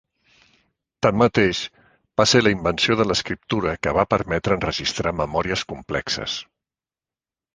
Tanmateix, va ser la invenció de l'escriptura que va permetre enregistrar memòries complexes.